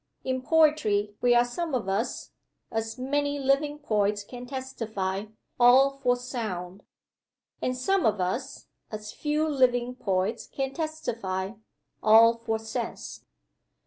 In poetry we are some of us (as many living poets can testify) all for sound; and some of us (as few living poets can testify) all for sense.